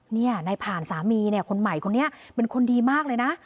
ในผ่านสามีเนี่ยคนใหม่คนนี้เป็นคนดีมากเลยนะ